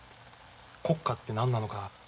国家って何なのか。